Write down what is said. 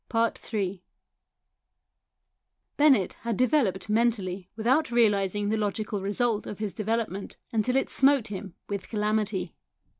Ill Bennett had developed mentally without realising the logical result of his development until it smote him with calamity.